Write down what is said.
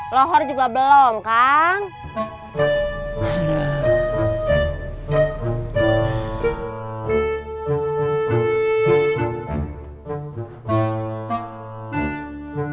lahor juga belum